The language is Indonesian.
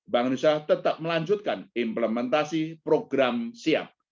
bank indonesia tetap melanjutkan implementasi program siap